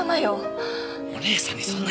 お姉さんにそんな言い方！